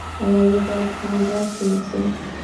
ایا زه باید په مزار کې اوسم؟